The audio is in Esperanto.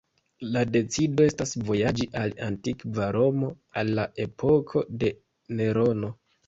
La decido estas vojaĝi al antikva Romo, al la epoko de Nerono.